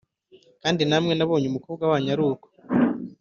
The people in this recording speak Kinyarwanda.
kandi namwe nabonye umukobwa wanyu ari uko